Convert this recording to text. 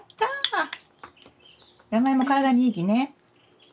山芋体にいいきね。